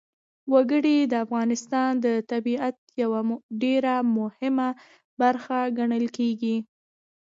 وګړي د افغانستان د طبیعت یوه ډېره مهمه برخه ګڼل کېږي.